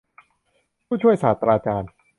ผู้ช่วยศาสตราจารย์